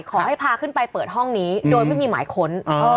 ขอให้พาขึ้นไปเปิดห้องนี้โดยไม่มีหมายค้น